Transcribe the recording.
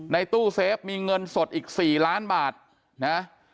ตู้เซฟมีเงินสดอีก๔ล้านบาทนะ